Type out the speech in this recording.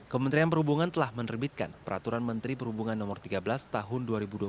kementerian perhubungan telah menerbitkan peraturan menteri perhubungan no tiga belas tahun dua ribu dua puluh